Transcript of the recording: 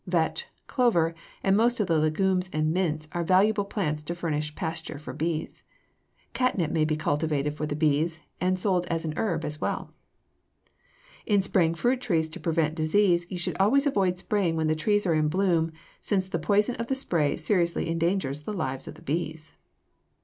Vetch, clover, and most of the legumes and mints are valuable plants to furnish pasture for bees. Catnip may be cultivated for the bees and sold as an herb as well. [Illustration: FIG. 265. A CARNIOLAN QUEEN] In spraying fruit trees to prevent disease you should always avoid spraying when the trees are in bloom, since the poison of the spray seriously endangers the lives of bees.